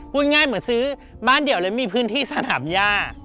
พูดง่ายเหมือนซื้อบ้านเดียวเลยไม่มีพื้นที่สนามย่า